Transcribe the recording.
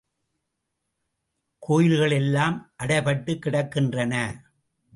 கோயில்கள் எல்லாம் அடைபட்டுக் கிடக்கின்றன.